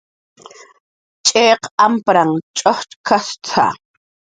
"cx'iq ampranhn ch'ujchk""awt""a "